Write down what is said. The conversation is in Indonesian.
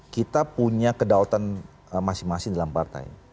kita punya kedaulatan masing masing dalam partai